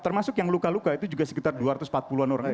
termasuk yang luka luka itu juga sekitar dua ratus empat puluh an orang